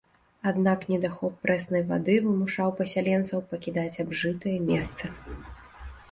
Аднак недахоп прэснай вады вымушаў пасяленцаў пакідаць абжытыя месцы.